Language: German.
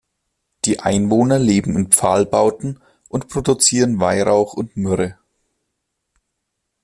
Die Einwohner leben in Pfahlbauten und produzieren Weihrauch und Myrrhe.